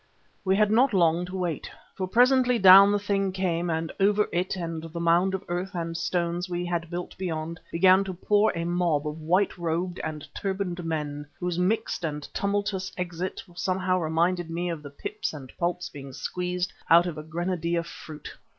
We had not long to wait, for presently down the thing came and over it and the mound of earth and stones we had built beyond, began to pour a mob of white robed and turbaned men whose mixed and tumultuous exit somehow reminded me of the pips and pulp being squeezed out of a grenadilla fruit.